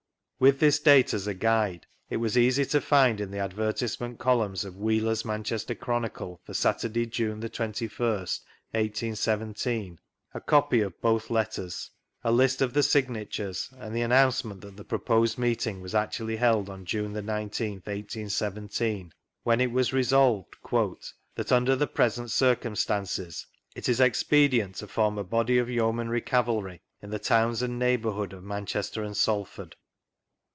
With this date as a guide, it was easy to find in the advertisement columns of Wheeler's Manchester Chronicle for Saturday, June the 21st, 1817^ a copy of both letters, a list of the signatures, and the amiouncement that the proposed meeting was actually held on June the 19th, 1817, when it was resolved: "that under the present circum stances it is expedient to form a body of Yeomaiuy Cavalry in the Towns and neighbourhood of Manches ter and Salford."